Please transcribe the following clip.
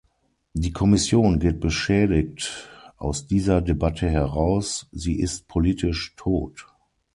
Die Kommission geht beschädigt aus dieser Debatte heraus, sie ist politisch tot.